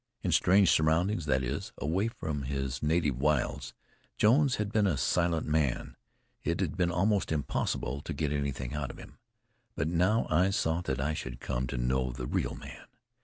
In strange surroundings that is, away from his Native Wilds, Jones had been a silent man; it had been almost impossible to get anything out of him. But now I saw that I should come to know the real man.